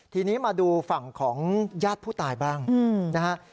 ทีนี้มาดูฝั่งของญาติผู้ตายบ้างนะฮะ